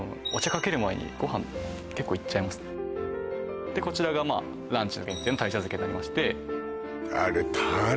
かける前にご飯結構いっちゃいますねでこちらがまあランチの限定の鯛茶漬けになりましてあれたれ